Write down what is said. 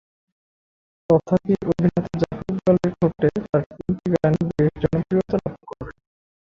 তথাপি অভিনেতা জাফর ইকবালের ঠোঁটে তার তিনটি গানই বেশ জনপ্রিয়তা লাভ করে।